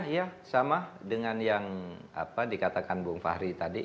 iya sama dengan yang dikatakan bung fahri tadi